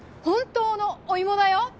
「本当のお芋だよ！」